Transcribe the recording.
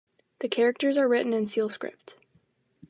The characters are written in seal script.